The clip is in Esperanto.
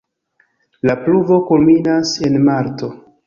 La pluvo kulminas en marto.